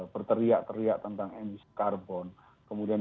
berteriak teriak tentang emisi karbon kemudian